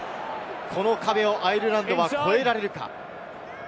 この壁をアイルランドは越えられるか？